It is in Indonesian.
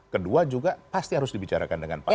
kedua juga pasti harus dibicarakan dengan pak jokowi